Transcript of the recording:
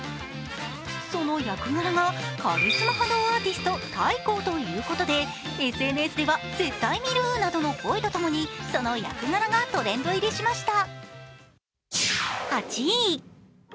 その役柄が、カリスマ波動アーティスト・ＴＡＩＫＯＨということでＳＮＳでは絶対見るなどの声とともにその役柄がトレンド入りしました。